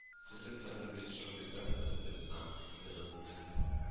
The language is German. Philipp hatte sich schon gedacht, dass der Zahnriemen gerissen ist.